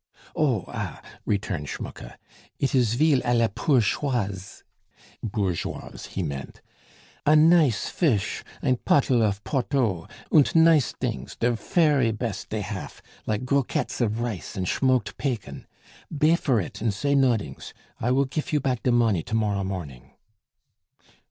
"Oh! ah!" returned Schmucke, "it is veal a la pourcheoise" (bourgeoise, he meant), "a nice fisch, ein pottle off Porteaux, und nice dings, der fery best dey haf, like groquettes of rice und shmoked pacon! Bay for it, und say nodings; I vill gif you back de monny to morrow morning."